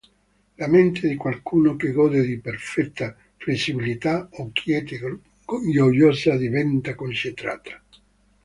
La mente di qualcuno che gode di perfetta flessibilità o quiete gioiosa diventa concentrata.